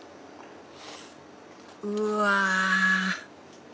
うわ！